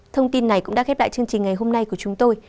thông tin này cũng đã khép lại chương trình ngày hôm nay của chúng tôi